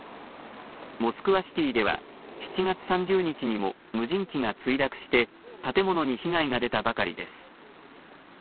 モスクワシティでは７月３０日にも無人機が墜落して建物に被害が出たばかりです。